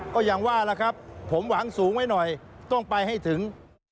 ก็อย่างว่าล่ะครับผมหวังสูงไว้หน่อยต้องไปให้ถึง